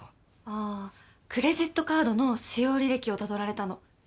ああクレジットカードの使用履歴をたどられたの。